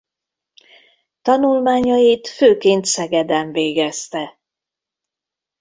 Tanulmányait főként Szegeden végezte.